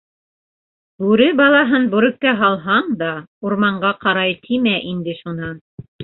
Бүре балаһын бүреккә һалһаң да урманға ҡарай тимә инде шунан.